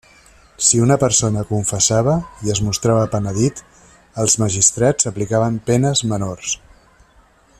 Si una persona confessava i es mostrava penedit, els magistrats aplicaven penes menors.